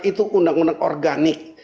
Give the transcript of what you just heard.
itu undang undang organik